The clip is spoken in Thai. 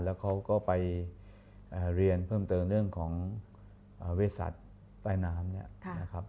แล้วเขาก็ไปเรียนเพิ่มเติมเรื่องของเวสัตว์ใต้น้ำ